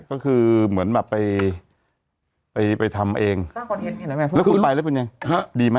ก็คือเหมือนแบบไปไปไปทำเองแล้วคุณไปแล้วคุณยังฮะดีไหม